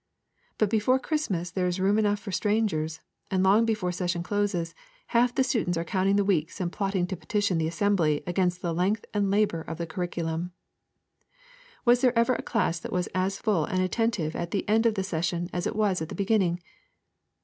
But before Christmas there is room enough for strangers, and long before the session closes, half the students are counting the weeks and plotting to petition the Assembly against the length and labour of the curriculum. Was there ever a class that was as full and attentive at the end of the session as it was at the beginning?